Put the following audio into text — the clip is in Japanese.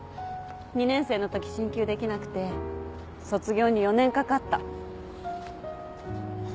２年生のとき進級できなくて卒業に４年かかった。